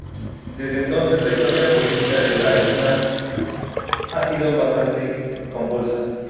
Desde entonces la historia política de la isla ha sido bastante convulsa.